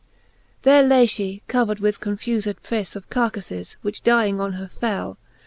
There lay fhe coverd with confufed preafle Of carcafes, which dying on her fell.